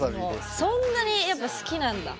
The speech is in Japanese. そんなにやっぱ好きなんだ？